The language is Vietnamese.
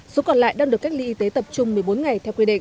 số còn lại đang được cách ly y tế tập trung một mươi bốn ngày theo quy định